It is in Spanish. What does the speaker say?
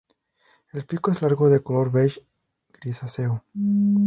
El pico es largo, de color beige grisáceo.